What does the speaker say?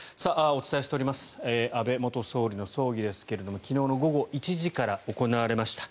お伝えしています安倍元総理の葬儀ですけども昨日の午後１時から行われました。